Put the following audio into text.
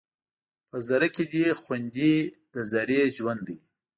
په ذره کې دې خوندي د ذرې ژوند دی